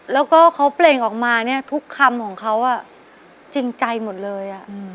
แล้วก็เขาเปล่งออกมาเนี่ยทุกคำของเขาจริงใจหมดเลย